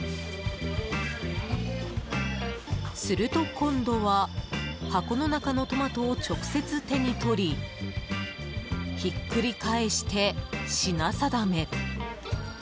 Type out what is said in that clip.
すると今度は、箱の中のトマトを直接手に取りひっくり返して品定め。